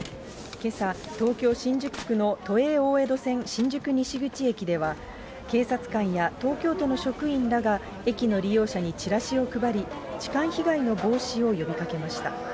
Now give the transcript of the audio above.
けさ、東京・新宿区の都営大江戸線新宿西口駅では、警察官や東京都の職員らが、駅の利用者にチラシを配り、痴漢被害の防止を呼びかけました。